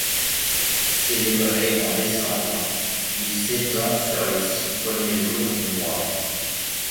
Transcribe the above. Célébré en décembre, il s'étend sur les six premiers jours du mois.